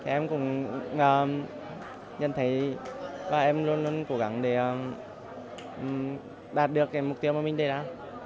em cũng nhận thấy và em luôn luôn cố gắng để đạt được mục tiêu mà mình đề ra